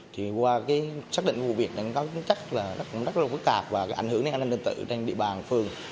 thì qua xác định vụ việc nó chắc là rất là phức tạp và ảnh hưởng đến an ninh tân tự trên địa bàn phường